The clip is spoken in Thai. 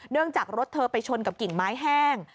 จากรถเธอไปชนกับกิ่งไม้แห้ง